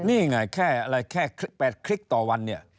นี่ไงแค่แปดคลิกต่อวัน